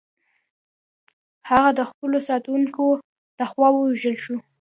هغه د خپلو ساتونکو لخوا ووژل شوه.